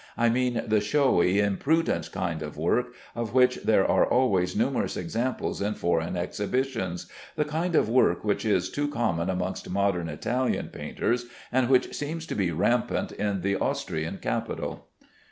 I mean the showy, impudent kind of work of which there are always numerous examples in foreign exhibitions the kind of work which is too common amongst modern Italian painters, and which seems to be rampant in the Austrian capital.